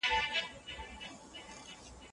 کتل کيږي.